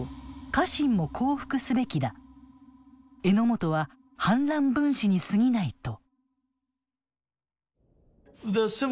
榎本は反乱分子にすぎないと。